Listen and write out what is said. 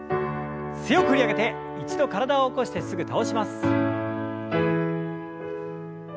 強く振り上げて一度体を起こしてすぐ倒します。